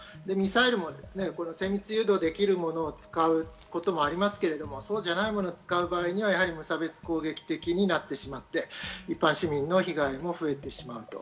ミサイルも精密誘導できるものを使うこともありますけど、そうじゃないものを使う場合には無差別攻撃的になってしまって、一般市民の被害も増えてしまう。